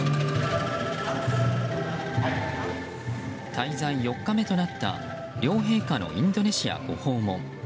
滞在４日目となった両陛下のインドネシアご訪問。